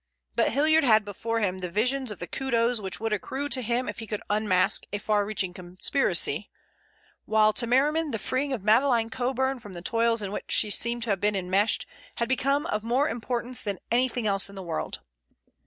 But Hilliard had before him the vision of the kudos which would accrue to him if he could unmask a far reaching conspiracy, while to Merriman the freeing of Madeleine Coburn from the toils in which she seemed to have been enmeshed had become of more importance than anything else in the world.